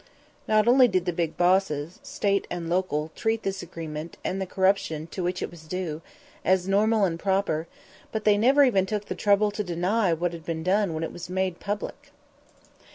Not only did the big bosses, State and local, treat this agreement, and the corruption to which it was due, as normal and proper, but they never even took the trouble to deny what had been done when it was made public.